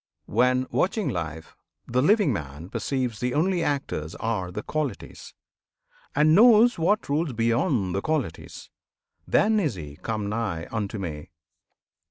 When, watching life, the living man perceives The only actors are the Qualities, And knows what rules beyond the Qualities, Then is he come nigh unto Me!